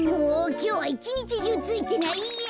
きょうはいちにちじゅうついてないや。